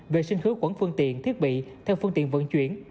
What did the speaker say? vệ sinh hướng quẩn phương tiện thiết bị theo phương tiện vận chuyển